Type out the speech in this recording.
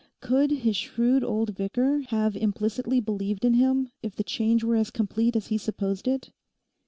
Could his shrewd old vicar have implicitly believed in him if the change were as complete as he supposed it?